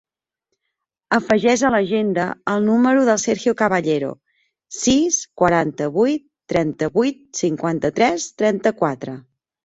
Afegeix a l'agenda el número del Sergio Caballero: sis, quaranta-vuit, trenta-vuit, cinquanta-tres, trenta-quatre.